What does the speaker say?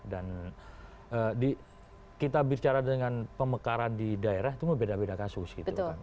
dan kita bicara dengan pemekaran di daerah itu beda beda kasus gitu kan